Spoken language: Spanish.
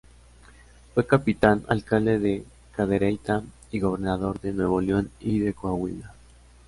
Fue capitán, alcalde de Cadereyta y gobernador de Nuevo León y de Coahuila.